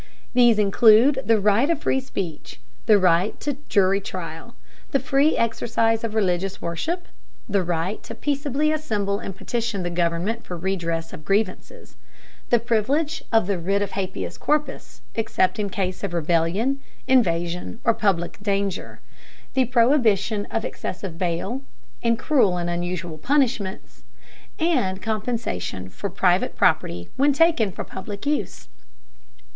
These include the right of free speech; the right to jury trial; the free exercise of religious worship; the right peaceably to assemble and petition the government for redress of grievances; the privilege of the writ of habeas corpus except in case of rebellion, invasion, or public danger; the prohibition of excessive bail, and cruel and unusual punishments; and compensation for private property when taken for public use.